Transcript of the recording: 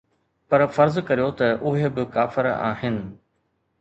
پر فرض ڪريو ته اهي به ڪافر آهن.